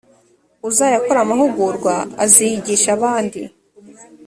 uzayakora amahugurwa aziyigisha abandi